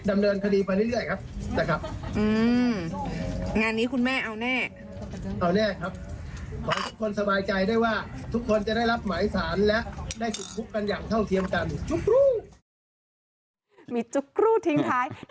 มีจุ๊กทิ้งท้าย